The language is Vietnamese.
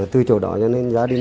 từ chỗ đó cho nên gia đình